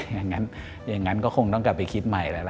อย่างนั้นก็คงต้องกลับไปคิดใหม่แล้ว